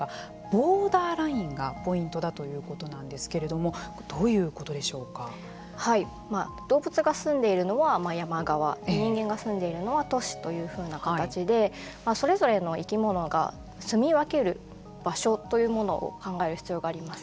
ボーダーラインがポイントだということなんですけれども動物が住んでいるのは山側人間が住んでいるのは都市というふうな形でそれぞれの生き物が住み分ける場所というものを考える必要があります。